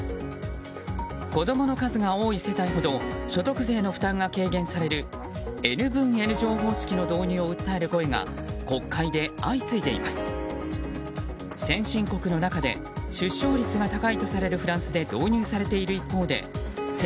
子供の数が多い世帯ほど所得税の負担が軽減されるＮ分Ｎ乗方式の導入を訴える声が国会で相次いでいます。